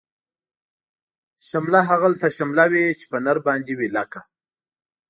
شمله هغلته شمله وی، چی په نر باندی وی لکه